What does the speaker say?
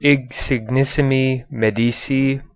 Insignissimi . Medici